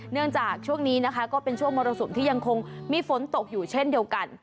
เนื่องจากช่วงนี้นะคะก็เป็นช่วงมรสุมที่ยังคงมีฝนตกอยู่เช่นเดียวกัน